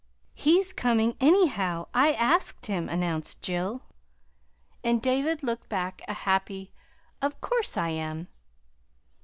"He's coming anyhow. I asked him," announced Jill. And David laughed back a happy "Of course I am!"